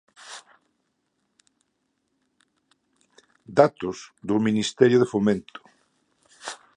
Datos do Ministerio de Fomento.